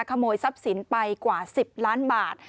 ขโมยทรัพย์สินไปกว่า๑๐ล้านบาท